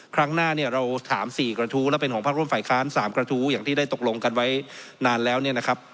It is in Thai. ครั้งหน้าเนี่ยเราถาม๔กระทู้และเป็นของพักร่วมฝ่ายค้าน๓กระทู้อย่างที่ได้ตกลงกันไว้นานแล้วเนี่ยนะครับ